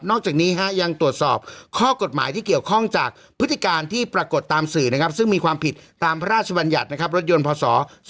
จากนี้ยังตรวจสอบข้อกฎหมายที่เกี่ยวข้องจากพฤติการที่ปรากฏตามสื่อนะครับซึ่งมีความผิดตามพระราชบัญญัติรถยนต์พศ๒๕๖